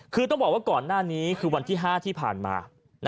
คือต้องบอกว่าก่อนหน้านี้คือวันที่๕ที่ผ่านมา